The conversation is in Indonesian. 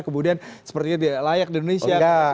kemudian sepertinya tidak layak di indonesia